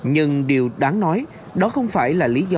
nhưng điều đáng nói đó không phải là lý do